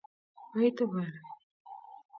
aite bolik